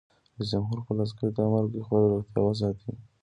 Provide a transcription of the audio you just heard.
رئیس جمهور خپلو عسکرو ته امر وکړ؛ خپله روغتیا وساتئ!